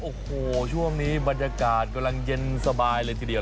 โอ้โหช่วงนี้บรรยากาศกำลังเย็นสบายเลยทีเดียว